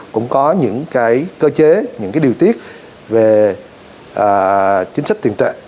cũng có những cơ chế những điều tiết về chính sách tiền tệ